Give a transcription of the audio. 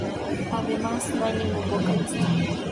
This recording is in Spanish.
Además, no hay ningún vocalista.